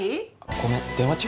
ごめん電話中？